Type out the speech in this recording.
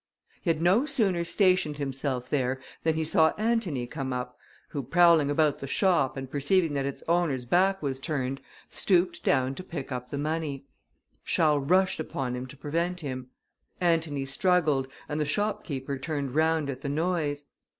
He had no sooner stationed himself there, than he saw Antony come up, who, prowling about the shop, and perceiving that its owner's back was turned, stooped down to pick up the money. Charles rushed upon him to prevent him. Antony struggled, and the shopkeeper turned round at the noise.